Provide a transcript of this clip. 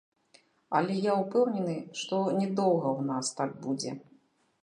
Але я ўпэўнены, што не доўга ў нас так будзе.